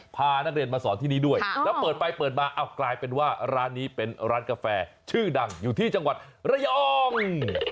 พานักเรียนมาสอนที่นี่ด้วยแล้วเปิดไปเปิดมากลายเป็นว่าร้านนี้เป็นร้านกาแฟชื่อดังอยู่ที่จังหวัดระยอง